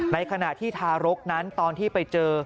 ในขณะที่ทารกนั้นตอนที่ไปเจอ